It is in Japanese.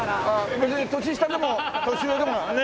別に年下でも年上でもね。